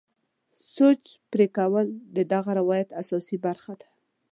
سوچ پرې کول د دغه روایت اساسي برخه ده.